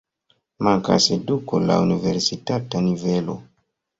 Mankas eduko laŭ universitata nivelo.